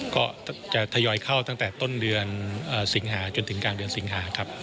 ก็จะทยอยเข้าตั้งแต่ต้นเดือนสิงหาจนถึงกลางเดือนสิงหาครับ